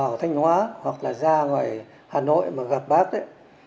vào thanh hóa hoặc là ra ngoài hà nội mà gặp bác ấy